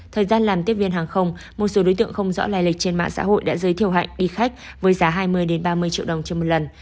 thời gian làm tiếp viên hàng không một số đối tượng không rõ lai lịch trên mạng xã hội đã giới thiệu hạnh đi khách với giá hai mươi ba mươi triệu đồng trên một lần